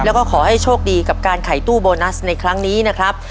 แล้วก็ขอให้โชคดีกับการขายตู้โบนัสในครั้งนี้นะครับ